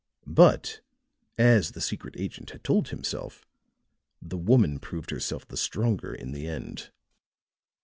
But, as the secret agent had told himself, the woman proved herself the stronger in the end.